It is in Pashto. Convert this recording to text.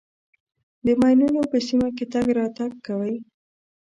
د ماینونو په سیمه کې تګ راتګ کوئ.